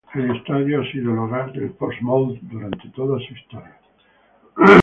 El estadio ha sido el hogar del Portsmouth durante toda su historia.